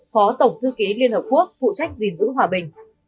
phó tổng thư ký liên hợp quốc phụ trách gìn giữ hòa bình